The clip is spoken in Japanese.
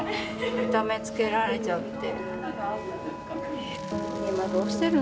痛めつけられちゃって。